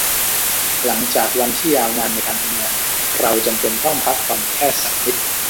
หลังจากวันที่ยาวนานในการทำงาน เราจำเป็นต้องพักผ่อนแค่สักนิด